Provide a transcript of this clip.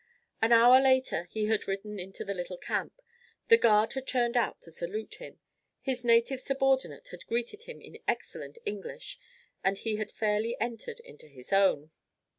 An hour later he had ridden into the little camp, the guard had turned out to salute him, his native subordinate had greeted him in excellent English, and he had fairly entered into his own.